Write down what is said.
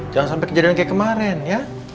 jangan sampai kejadian kayak kemarin ya